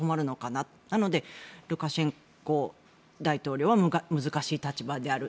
なので、ルカシェンコ大統領は難しい立場である。